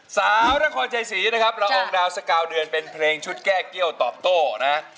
สาวดังความใจสีนะครับแล้วองค์ดาวสกาวเดือนเป็นเพลงชุดแก้เกี้ยวตอบโต้นะครับ